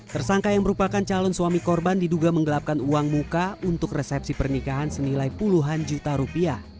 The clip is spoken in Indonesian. tersangka yang merupakan calon suami korban diduga menggelapkan uang muka untuk resepsi pernikahan senilai puluhan juta rupiah